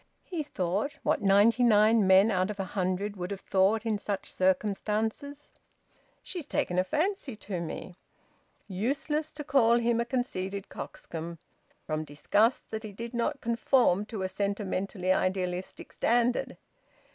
He thought, what ninety nine men out of a hundred would have thought in such circumstances: "She's taken a fancy to me!" Useless to call him a conceited coxcomb, from disgust that he did not conform to a sentimentally idealistic standard!